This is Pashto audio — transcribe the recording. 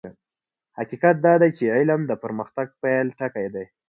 حقيقت دا دی چې علم د پرمختګ پيل ټکی دی.